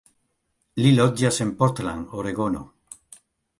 Li loĝas en Portland, Oregono.